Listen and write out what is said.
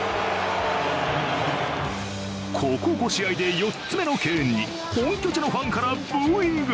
ここ５試合で４つ目の敬遠に本拠地のファンからブーイング。